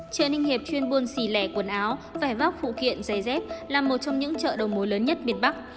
chợ ninh hiệp chuyên buôn xì lẻ quần áo vẻ vóc phụ kiện giày dép là một trong những chợ đồng mối lớn nhất biển bắc